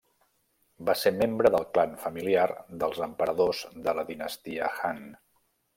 Va ser membre del clan familiar dels emperadors de la dinastia Han.